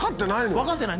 分かってない。